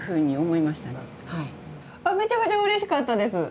めちゃくちゃうれしかったです。